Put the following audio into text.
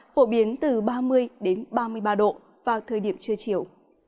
phổ biến từ ba mươi ba mươi ba độ vào thời điểm trưa chiều